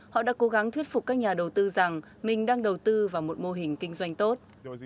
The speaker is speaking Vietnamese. họ đã cố gắng thuyết phục các nhà đầu tư rằng mình đang đầu tư vào một mô hình kinh doanh tốt